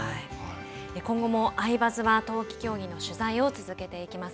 今後も「アイバズ」は、冬季競技の取材を続けていきます。